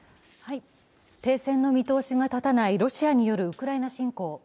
停戦の見通しが立たないロシアによるウクライナ侵攻。